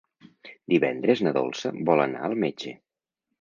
Divendres na Dolça vol anar al metge.